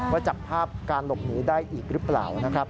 ว่าจับภาพการหลบหนีได้อีกหรือเปล่านะครับ